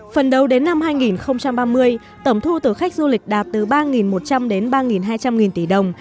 phấn đấu đến năm hai nghìn ba mươi tổng thu tử khách du lịch đạt từ ba một trăm linh đến ba hai trăm linh nghìn tỷ đồng